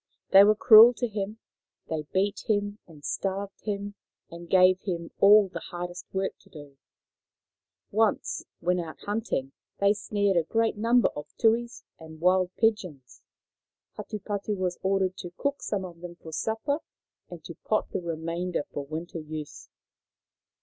They were cruel to him. They beat him and starved him and gave him all the hardest work to do. Once, when out hunting, they snared a great number of tuis and wild pigeons. Hatupatu was ordered to cook some of them for supper and to pot the remainder for winter use.